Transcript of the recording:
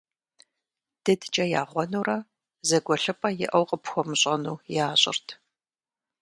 ДыдкӀэ яугъуэнурэ, зэгуэлъыпӀэ иӀэу къыпхуэмыщӀэну, ящӀырт.